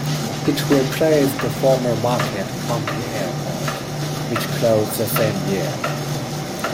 It replaced the former Marquette County Airport which closed the same year.